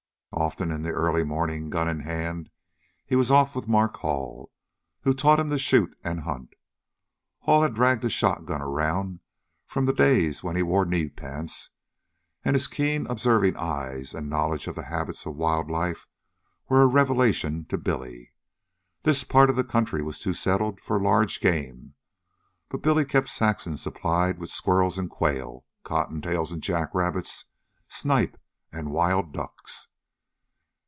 Often, in the early morning, gun in hand, he was off with Mark Hall, who taught him to shoot and hunt. Hall had dragged a shotgun around from the days when he wore knee pants, and his keen observing eyes and knowledge of the habits of wild life were a revelation to Billy. This part of the country was too settled for large game, but Billy kept Saxon supplied with squirrels and quail, cottontails and jackrabbits, snipe and wild ducks.